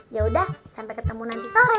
yaudah sampai ketemu nanti sore